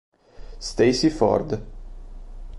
Stacey Ford